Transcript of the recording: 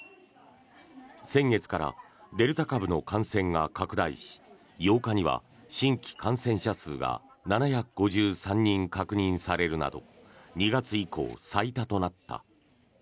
先月からデルタ株の感染が拡大し８日には新規感染者数が７５３人確認されるなど２月以降最多となった。